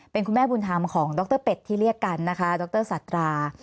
เป็นคุณแม่บุญธรรมของดรเป็ดที่เรียกกันนะคะดรสัตรา